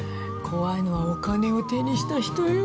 怖いのはお金を手にした人よ。